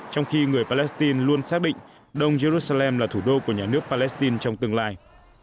trong khi người palestine luôn xác định đông jerusalem là thủ đô của nhà nước palestine trong tương lai